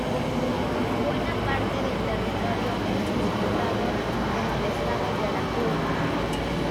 Buena parte del territorio es disputado con el Estado Yaracuy.